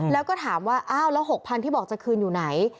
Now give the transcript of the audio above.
แล้วก็ถามว่า๖๐๐๐บาทที่บอกจะคืนอยู่ไหน